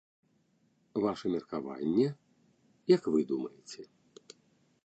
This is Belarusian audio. Ваша меркаванне, як вы думаеце?